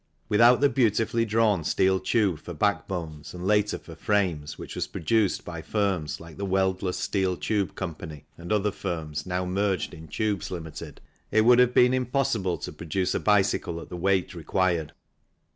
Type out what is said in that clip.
Without the beautifully drawn steel tube for back bones and later for frames, which was produced by firms like the Weldless Steel Tube Co. and.' other firms 27 28 THE CYCLE INDUSTRY now merged in Tubes, Ltd., it would have been impos sible to produce a bicycle at the weight required.